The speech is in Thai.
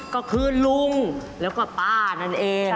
ก็คือลุงแล้วก็ป้านั่นเอง